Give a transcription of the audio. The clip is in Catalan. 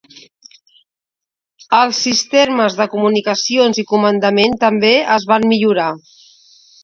Els sistemes de comunicacions i comandament també es van millorar.